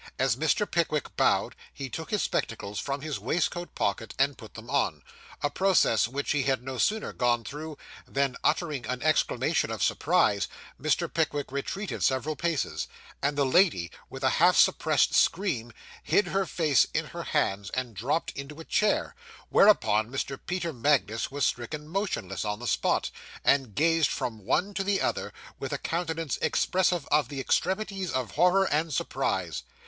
As Mr. Pickwick bowed, he took his spectacles from his waistcoat pocket, and put them on; a process which he had no sooner gone through, than, uttering an exclamation of surprise, Mr. Pickwick retreated several paces, and the lady, with a half suppressed scream, hid her face in her hands, and dropped into a chair; whereupon Mr. Peter Magnus was stricken motionless on the spot, and gazed from one to the other, with a countenance expressive of the extremities of horror and surprise.